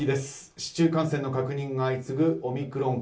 市中感染の確認が相次ぐオミクロン株。